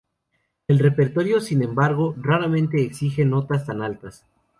El repertorio, sin embargo, raramente exige notas tan altas.